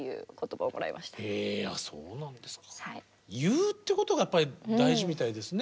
言うってことがやっぱり大事みたいですね。